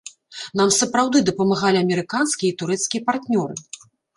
Нам сапраўды дапамагалі амерыканскія і турэцкія партнёры.